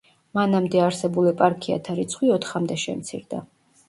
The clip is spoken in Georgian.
მანამდე არსებულ ეპარქიათა რიცხვი ოთხამდე შემცირდა.